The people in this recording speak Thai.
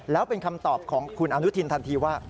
แล้วเป็นคำตอบของคุณอนุทินทันทีว่า